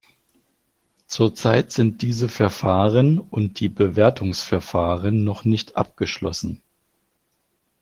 Zurzeit sind diese Verfahren und die Bewertungsverfahren noch nicht abgeschlossen.